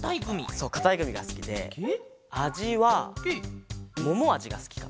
そうかたいグミがすきであじはももあじがすきかな。